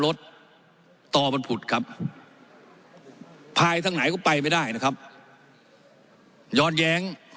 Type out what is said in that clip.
รถต่อบันพุธครับพายทั้งไหนก็ไปไม่ได้นะครับยอดแยง